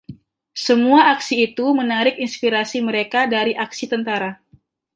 Semua aksi itu menarik inspirasi mereka dari Aksi Tentara.